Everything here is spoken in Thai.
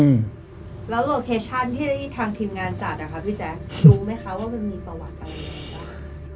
รู้ไหมคะว่ามันมีประวัติอะไรหรือเปล่า